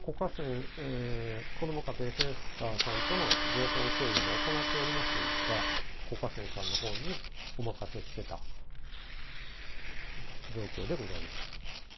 子ども家庭センターさんとの情報共有も行っておりますが、子家センさんのほうに状況でございます。